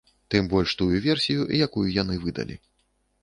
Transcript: Тым больш тую версію, якую яны выдалі.